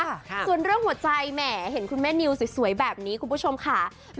ส่วนเรื่องหัวใจแหมเห็นคุณแม่นิวสวยแบบนี้คุณผู้ชมค่ะ